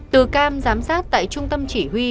từ cam giám sát tại trung tâm chỉ huy